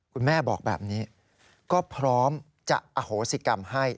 คุณแม่บอกแบบนี้ก็พร้อมจะอโหสิกรรมให้